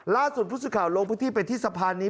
ล่าสุดผู้สื่อข่าวลงพื้นที่ไปที่สะพานนี้